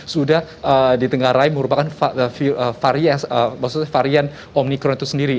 sudah ditenggarai merupakan varian omikron itu sendiri